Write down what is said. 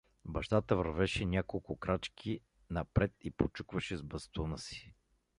Бащата вървеше няколко крачки иапред и почукваше е бастуна си.